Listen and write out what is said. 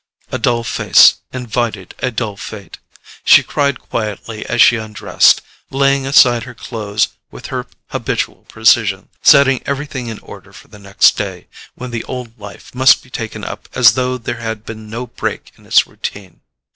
A dull face invited a dull fate. She cried quietly as she undressed, laying aside her clothes with her habitual precision, setting everything in order for the next day, when the old life must be taken up as though there had been no break in its routine.